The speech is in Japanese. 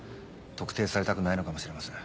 特定されたくないのかもしれません。